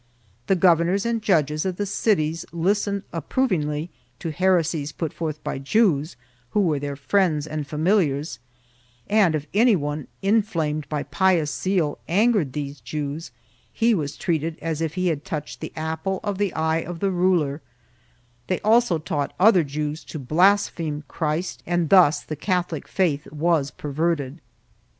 The governors and judges of the cities listened approv ingly to heresies put forth by Jews, who were their friends and familiars, and if any one, inflamed by pious zeal, angered these Jews, he was treated as if he had touched the apple of the eye of the ruler; they also taught other Jews to blaspheme Christ and thus the Catholic faith was perverted.